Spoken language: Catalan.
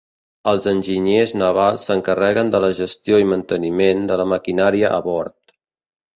Els enginyers navals s'encarreguen de la gestió i manteniment de la maquinària a bord.